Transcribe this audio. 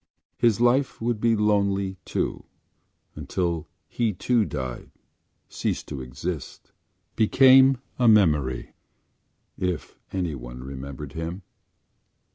His life would be lonely too until he, too, died, ceased to exist, became a memory—if anyone remembered him.